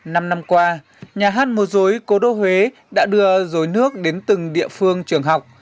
năm năm qua nhà hát mô dối cố đô huế đã đưa rối nước đến từng địa phương trường học